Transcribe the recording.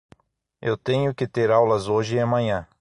Eu tenho que ter aulas hoje e amanhã.